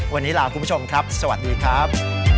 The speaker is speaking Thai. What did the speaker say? วันนี้ลาคุณผู้ชมครับสวัสดีครับ